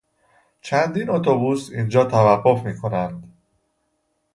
چندین اتوبوس اینجا توقف میکنند.